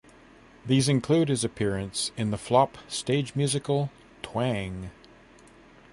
These included his appearance in the flop stage musical Twang!